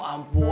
aduh ampun yaa